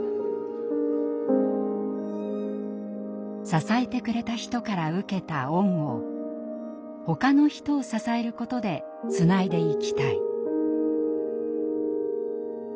支えてくれた人から受けた恩をほかの人を支えることでつないでいきたい。